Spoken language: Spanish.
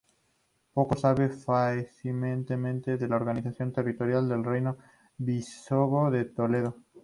Poco se sabe fehacientemente de la organización territorial del reino visigodo de Toledo.